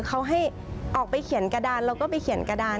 เขาให้ออกไปเขียนกระดานแล้วก็ไปเขียนกระดาน